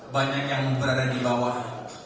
banyak yang berada di bawah